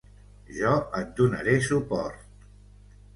Jo et donaré suport.